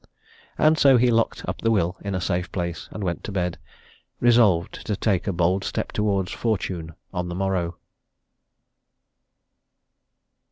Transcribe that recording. And so he locked up the will in a safe place, and went to bed, resolved to take a bold step towards fortune on the morrow.